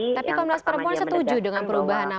tapi komnas perempuan setuju dengan perubahan nama